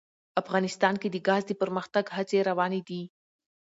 افغانستان کې د ګاز د پرمختګ هڅې روانې دي.